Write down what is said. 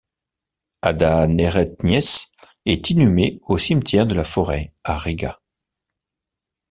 Ada Neretniece est inhumée au cimetière de la Forêt à Riga.